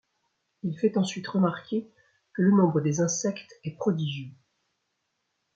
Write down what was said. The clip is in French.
Il fait ensuite remarquer que le nombre des insectes est prodigieux.